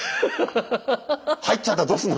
「入っちゃったらどうすんの？」